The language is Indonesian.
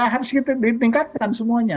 harus kita ditingkatkan semuanya